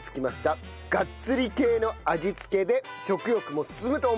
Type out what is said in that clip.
ガッツリ系の味付けで食欲も進むと思います。